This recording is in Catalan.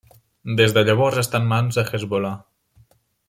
Des de llavors està en mans de Hezbollah.